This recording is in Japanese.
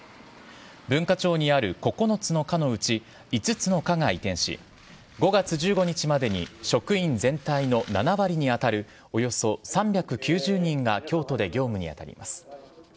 文化庁にある９つの課のうち、５つの課が移転し、５月１５日までに、職員全体の７割に当たる、およそ３９０人が京都で業務に当たります。